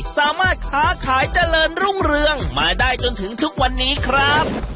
สามารถค้าขายเจริญรุ่งเรืองมาได้จนถึงทุกวันนี้ครับ